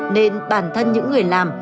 nên bản thân những người làm